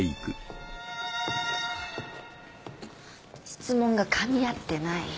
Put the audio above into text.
質問がかみ合ってない。